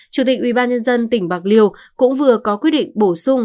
chủ tịch ubnd tỉnh bạc liêu cũng vừa có quyết định bổ sung